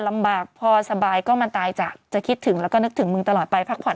ลำบากพอสบายก็มันตายจากจะคิดถึงแล้วก็นึกถึงมึงตลอดไปพักผ่อน